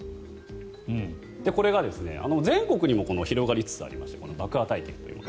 これが全国にも広がりつつありましてこの爆破体験というもの。